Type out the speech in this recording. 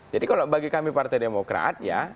jadi kalau bagi kami partai demokrat ya